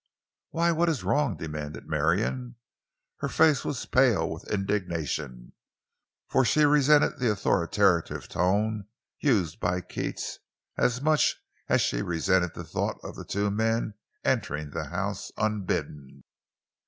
"Why, what is wrong?" demanded Marion. Her face was pale with indignation, for she resented the authoritative tone used by Keats as much as she resented the thought of the two men entering the house unbidden.